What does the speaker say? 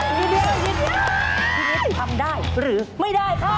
พีนิดทำได้หรือไม่ได้ครับ